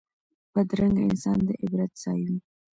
بدرنګه انسان د عبرت ځای وي